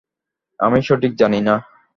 আমি সঠিক জানি না।